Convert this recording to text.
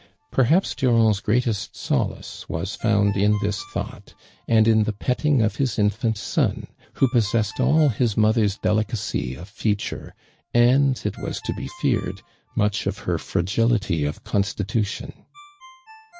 J\'rhap.s Durand's greatest solace was found in this thought, anil in the petting of liis infant son, who possessed aH his mother's delicacy of feature, and, it was to be feared, natch of her fragility of consti tution.